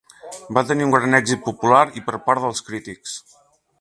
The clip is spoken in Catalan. Va tenir un gran èxit popular i per part dels crítics.